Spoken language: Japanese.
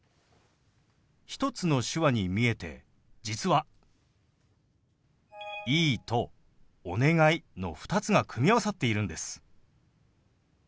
１つの手話に見えて実は「いい」と「お願い」の２つが組み合わさっているんです。